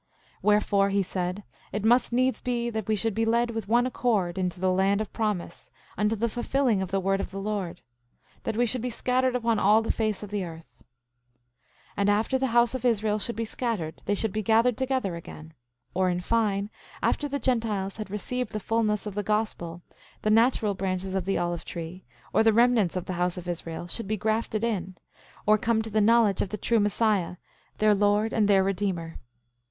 10:13 Wherefore, he said it must needs be that we should be led with one accord into the land of promise, unto the fulfilling of the word of the Lord, that we should be scattered upon all the face of the earth. 10:14 And after the house of Israel should be scattered they should be gathered together again; or, in fine, after the Gentiles had received the fulness of the Gospel, the natural branches of the olive tree, or the remnants of the house of Israel, should be grafted in, or come to the knowledge of the true Messiah, their Lord and their Redeemer.